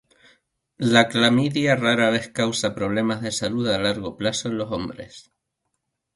La clamidia rara vez causa problemas de salud a largo plazo en los hombres.